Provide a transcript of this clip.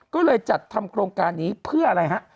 ก็เลยจัดทำโครงการนี้เพื่ออะไรฮะ